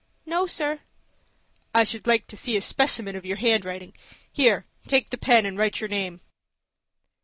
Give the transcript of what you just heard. "No, sir." "I should like to see a specimen of your handwriting. Here, take the pen and write your name."